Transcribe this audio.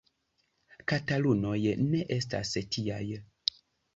Katalunoj ne estas tiaj.